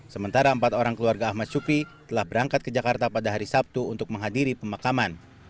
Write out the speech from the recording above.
sementara empat orang keluarga ahmad syukri telah berangkat ke jakarta pada hari sabtu untuk menghadiri pemakaman